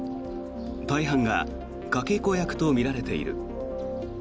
大半がかけ子役とみられている。